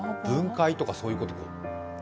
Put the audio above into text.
分解とかそういうこと？